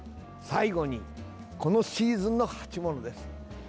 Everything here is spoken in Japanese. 最後に、このシーズンの鉢物です。